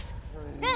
うん！